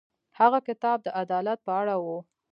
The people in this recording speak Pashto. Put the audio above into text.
هغه کتاب د عدالت په اړه و.